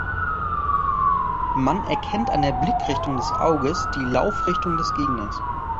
Man erkennt an der Blickrichtung des Auges die Laufrichtung des Gegners.